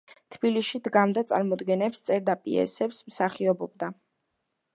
თბილისში დგამდა წარმოდგენებს, წერდა პიესებს, მსახიობობდა.